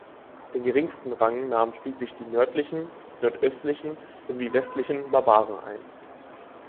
Den geringsten Rang nahmen schließlich die „nördlichen“, „nordöstlichen“ sowie „westlichen Barbaren“ ein.